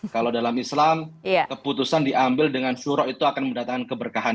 kalau dalam islam keputusan diambil dengan syuroh itu akan mendatangkan keberkahan